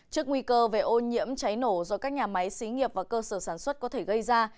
trước nguy cơ về ô nhiễm cháy nổ do các nhà máy xí nghiệp và cơ sở sản xuất có thể gây ra